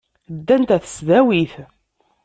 Ddant ɣer tesdawit.